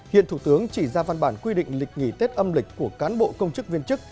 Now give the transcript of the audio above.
hiện thủ tướng chỉ ra văn bản quy định lịch nghỉ tết âm lịch của cán bộ công chức viên chức